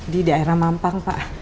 di daerah mampang pak